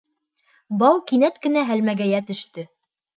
Бау кинәт кенә һәлмәгәйә төштө.